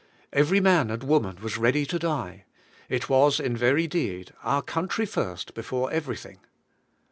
Every man and woman was ready to die. It was in ver}/ deed "Our country first, before everything."